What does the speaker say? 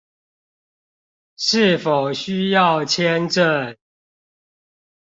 是否需要簽證